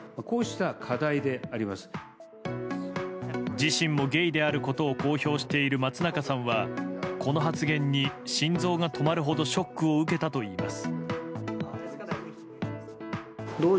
自身もゲイであることを公表している、松中さんはこの発言に心臓が止まるほどショックを受けたといいます。